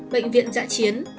bệnh viện dạ chiến